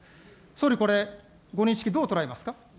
総理、これ、ご認識、どう捉えますか。